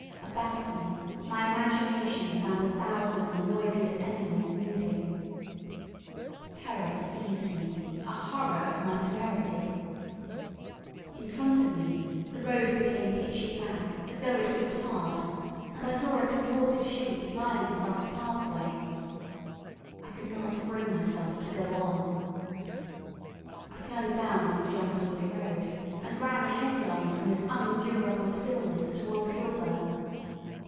About me my imagination found a thousand noiseless enemies moving. Terror seized me, a horror of my temerity. In front of me the road became pitchy black as though it was tarred, and I saw a contorted shape lying across the pathway. I could not bring myself to go on. I turned down St. John's Wood Road, and ran headlong from this unendurable stillness towards Kilburn.